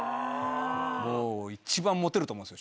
もう一番モテると思うんですよ